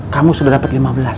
kamu sudah dapat lima belas